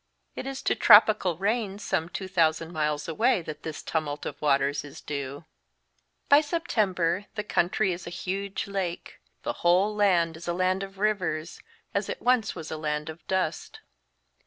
It is to tropical rains some two thousand miles away that this tumult of waters is due. By Septembei the country is a huge lake, the whole land is a land of rivers, as it once was a lard of dust.